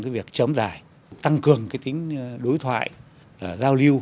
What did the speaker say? cái việc chấm giải tăng cường cái tính đối thoại giao lưu